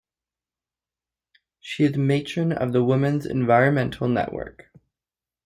She is Matron of the Women's Environmental Network.